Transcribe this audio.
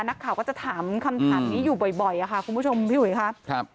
นักข่าวก็จะถามคำถามนี้อยู่บ่อยค่ะคุณผู้ชมพี่อุ๋ยครับ